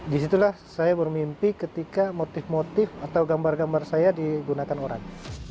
disitulah saya bermimpi ketika motif motif atau gambar gambar saya digunakan orang